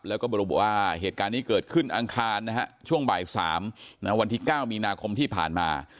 แล้วก็บริบุว่าเหตุการณ์นี้เกิดขึ้นอังคารนะฮะช่วงบ่าย๓วันที่๙มีนาคมที่ผ่านมา